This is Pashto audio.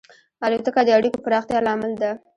الوتکه د اړیکو پراختیا لامل ده.